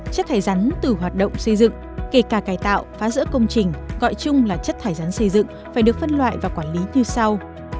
chất thải rắn từ hoạt động xây dựng kể cả cải tạo phá rỡ công trình gọi chung là chất thải rắn xây dựng phải được phân loại và quản lý như sau